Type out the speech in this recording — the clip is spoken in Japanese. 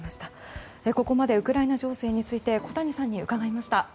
ここまでウクライナ情勢について小谷さんに伺いました。